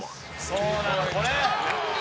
「そうなの！これ！」